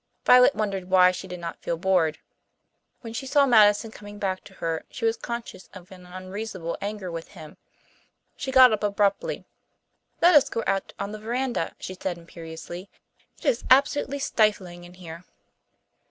Violet wondered why she did not feel bored. When she saw Madison coming back to her she was conscious of an unreasonable anger with him. She got up abruptly. "Let us go out on the verandah," she said imperiously. "It is absolutely stifling in here."